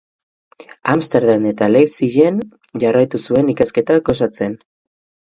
Amsterdam eta Leipzigen jarraitu zuen ikasketak osatzen.